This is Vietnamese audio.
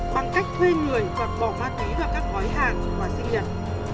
bằng cách thuê người và bỏ ma túy vào các gói hàng và xin nhận